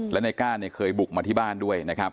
และในก้านเนี่ยเคยบุกมาที่บ้านด้วยนะครับ